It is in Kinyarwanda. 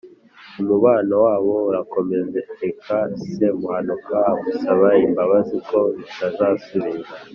Umubano wabo urakomezareka Semuhanuka amusaba imbabazi ko bitazasubira.